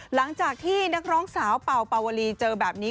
หลังจากที่นักร้องสาวเป่าเป่าวลีเจอแบบนี้